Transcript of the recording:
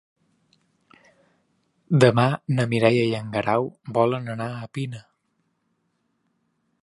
Demà na Mireia i en Guerau volen anar a Pina.